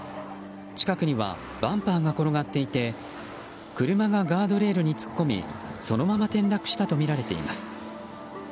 近くにはバンパーが転がっていて車がガードレールに突っ込みそのまま転落したとみられています。